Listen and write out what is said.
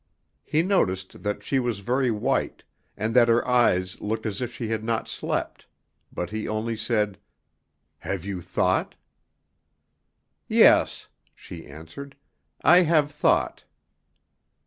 He noticed that she was very white, and that her eyes looked as if she had not slept, but he only said, "Have you thought?" "Yes," she answered, "I have thought."